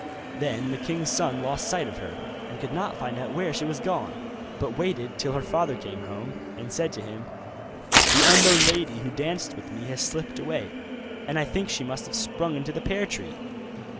Then the king's son lost sight of her, and could not find out where she was gone, but waited till her father came home, and said to him, 'The unknown lady who danced with me has slipped away, and I think she must have sprung into the pear tree.